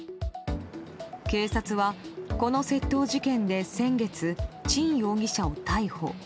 警察はこの窃盗事件で先月、チン容疑者を逮捕。